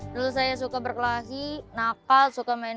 dulu saya suka berkelahi nakal suka main video